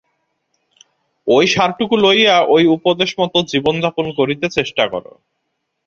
ঐ সারটুকু লইয়া ঐ উপদেশমত জীবনযাপন করিতে চেষ্টা কর।